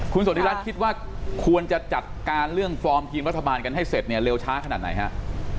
คุณสนทิรัฐคิดว่าควรจะจัดการเรื่องฟอร์มทีมรัฐบาลกันให้เสร็จเนี่ยเร็วช้าขนาดไหนฮะ